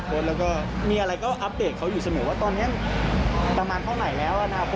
รู้สึกว่าเร็วค่ะรู้สึกว่าทำอะไรด้วยกันเยอะมาก